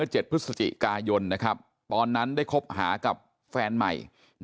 แล้วก็ยัดลงถังสีฟ้าขนาด๒๐๐ลิตร